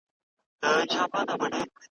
له مستیه پر دوو سرو پښو سوه ولاړه ,